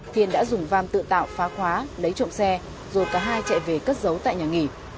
thiên đã dùng vam tự tạo phá khóa lấy trộm xe rồi cả hai chạy về cất giấu tại nhà nghỉ